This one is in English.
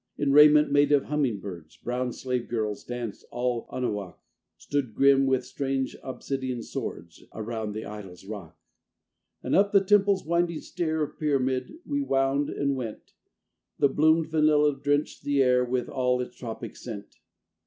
In raiment made of humming birds Brown slave girls danced. All Anahuac Stood, grim with strange obsidian swords, Around the idol's rock. And up the temple's winding stair Of pyramid we wound and went: The bloomed vanilla drenched the air With all its tropic scent.